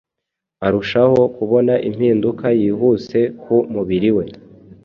arushaho kubona impinduka yihuse ku mubiri we